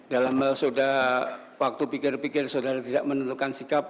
dalam waktu pikir pikir saudara tidak menentukan sikap